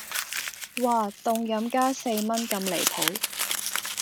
嘩,凍飲加四蚊咁離譜